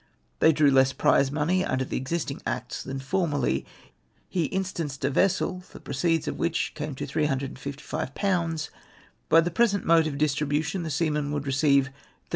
They drew less prize money under the existing acts than formerly. He in stanced a vessel, the proceeds of which came to 355?. ; by the present mode of distribution the seaman would receive 13s.